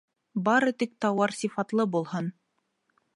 Бары тик тауар сифатлы булһын.